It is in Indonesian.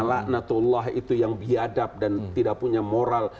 laknatullah itu yang biadab dan tidak punya moral